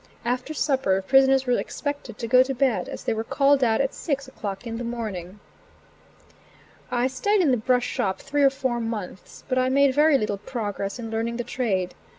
After supper prisoners were expected to go to bed, as they were called out at six o'clock in the morning. I stayed in the brush shop three or four months, but I made very little progress in learning the trade.